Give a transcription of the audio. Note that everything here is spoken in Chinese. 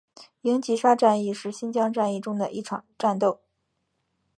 英吉沙战役是新疆战争中的一场战斗。